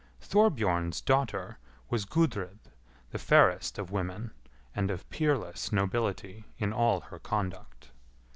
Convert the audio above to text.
Thorbjorn's daughter was Gudrid, the fairest of women, and of peerless nobility in all her conduct.